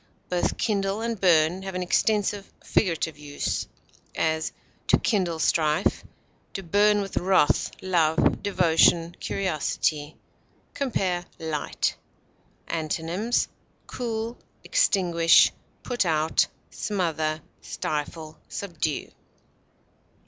Both kindle and burn have an extensive figurative use; as, to kindle strife; to burn with wrath, love, devotion, curiosity. Compare LIGHT. Antonyms: cool, extinguish, put out, smother, stifle, subdue.